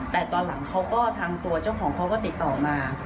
แต่ตอนหลังเขาก็ทางตัวเจ้าของเขาก็ติดต่อมา